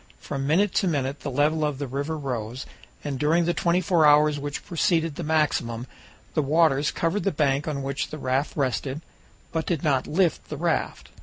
From minute to minute the level of the river rose, and during the twenty four hours which preceded the maximum the waters covered the bank on which the raft rested, but did not lift the raft.